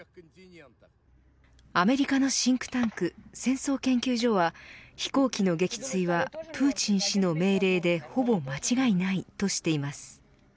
アメリカのシンクタンク戦争研究所は飛行機の撃墜はプーチン氏の命令でほぼ間違いないとしています。